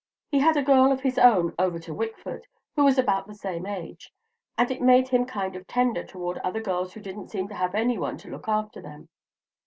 He had a girl of his own "over to Wickford," who was about the same age; and it made him "kind of tender" toward other girls who didn't seem to have any one to look after them.